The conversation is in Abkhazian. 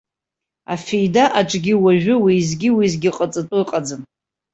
Афеида аҿгьы уажәы уеизгьы-уеизгьы ҟаҵатәы ыҟаӡам.